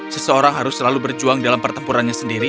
seseorang harus selalu berjuang dalam pertempurannya sendiri